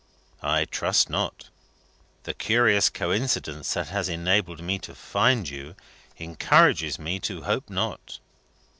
"I trust not. The curious coincidence that has enabled me to find you, encourages me to hope not."